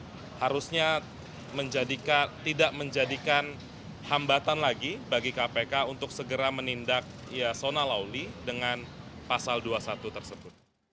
jadi harusnya tidak menjadikan hambatan lagi bagi kpk untuk segera menindak yasona lauli dengan pasal dua puluh satu tersebut